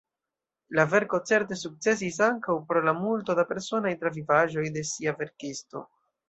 La verko certe sukcesis ankaŭ pro la multo da personaj travivaĵoj de sia verkisto.